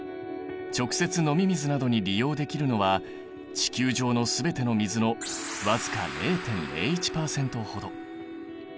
直接飲み水などに利用できるのは地球上の全ての水の僅か０．０１％ほど。